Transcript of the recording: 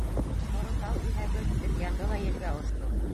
Ҡоро тал иһә гөлт итеп янды ла елгә осто.